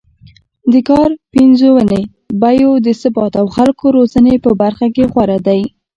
د کار پنځونې، بیو د ثبات او خلکو روزنې په برخه کې غوره دی